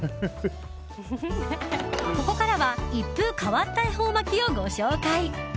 ここからは一風変わった恵方巻きをご紹介。